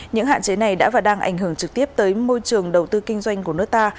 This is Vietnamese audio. những hạn chế này đã và đang ảnh hưởng trực tiếp tới môi trường đầu tư kinh doanh của nước ta